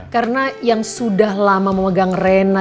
karena yang sudah lama memegang reina